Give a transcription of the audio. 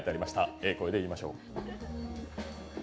ええ声で言いましょう。